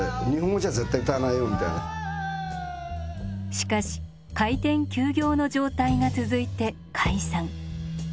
しかし開店休業の状態が続いて解散。